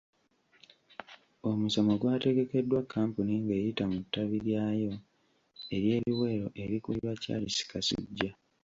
Omusomo gwategekeddwa kkampuni ng’eyita mu ttabi lyayo erye Luweero erikulirwa Charles Kasujja.